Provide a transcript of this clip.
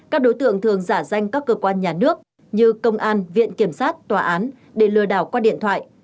các đối tượng thường giả danh các cơ quan nhà nước như công an viện kiểm sát tòa án để lừa đảo qua điện thoại